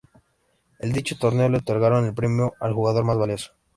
En dicho torneo le otorgaron el premio al jugador más valioso.